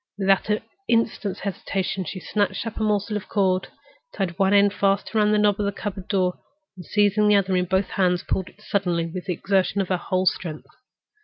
Without an instant's hesitation, she snatched up a morsel of cord, tied one end fast round the knob of the cupboard door, and seizing the other end in both hands, pulled it suddenly with the exertion of her whole strength.